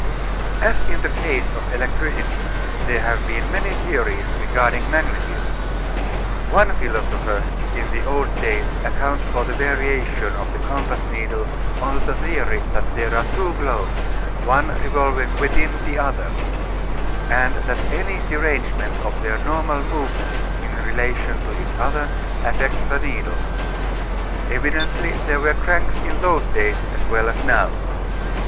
As in the case of electricity there have been many theories regarding magnetism. One philosopher in the old days accounts for the variation of the compass needle on the theory that there are two globes, one revolving within the other, and that any derangement of their normal movements in relation to each other affects the needle. Evidently there were cranks in those days as well as now.